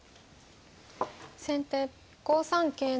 先手５三桂成。